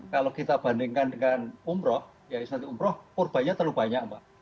kalau kita bandingkan dengan umroh ya nanti umroh korbannya terlalu banyak mbak